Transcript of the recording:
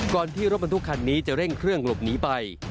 ที่รถบรรทุกคันนี้จะเร่งเครื่องหลบหนีไป